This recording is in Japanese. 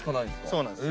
そうなんです。